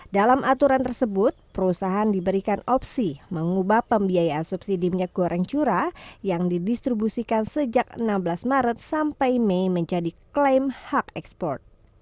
dalam aturan tersebut perusahaan diberikan opsi mengubah pembiayaan subsidi minyak goreng curah yang didistribusikan sejak enam belas maret sampai mei menjadi klaim hak ekspor